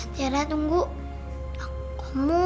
tiara tunggu aku mau